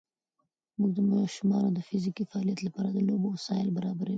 مور د ماشومانو د فزیکي فعالیت لپاره د لوبو وسایل برابروي.